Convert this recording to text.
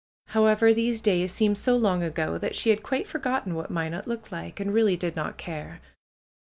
However, these days seemed so long ago that she had quite forgotten what Minot looked like, and really did not care.